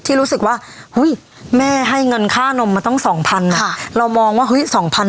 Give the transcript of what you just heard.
ที่รู้สึกว่าเฮ้ยแม่ให้เงินค่านมมาต้องสองพันค่ะเรามองว่าเฮ้ยสองพัน